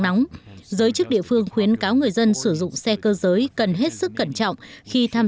nóng giới chức địa phương khuyến cáo người dân sử dụng xe cơ giới cần hết sức cẩn trọng khi tham